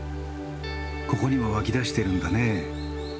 ここにも湧き出しているんだね。